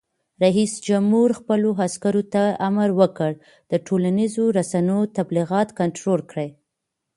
رئیس جمهور خپلو عسکرو ته امر وکړ؛ د ټولنیزو رسنیو تبلیغات کنټرول کړئ!